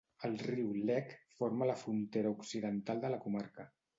El Riu Lech forma la frontera occidental de la comarca.